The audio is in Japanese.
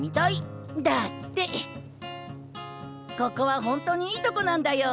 ここは本当にいいとこなんだよ。